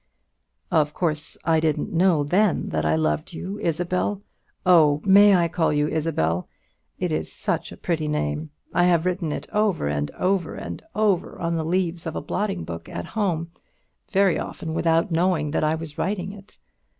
"Of course I didn't know then that I loved you, Isabel oh, may I call you Isabel? it is such a pretty name. I have written it over and over and over on the leaves of a blotting book at home, very often without knowing that I was writing it.